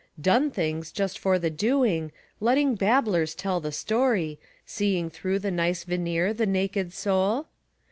"Done things" just for the doing, letting babblers tell the story, Seeing through the nice veneer the naked soul?